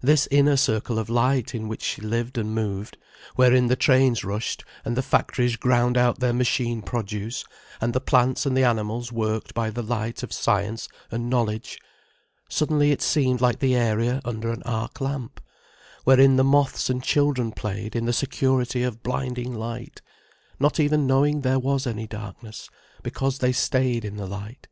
This inner circle of light in which she lived and moved, wherein the trains rushed and the factories ground out their machine produce and the plants and the animals worked by the light of science and knowledge, suddenly it seemed like the area under an arc lamp, wherein the moths and children played in the security of blinding light, not even knowing there was any darkness, because they stayed in the light.